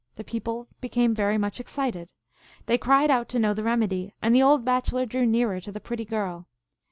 The people became very much excited. They cried out to know the remedy, and the old bachelor drew nearer to the pretty girl.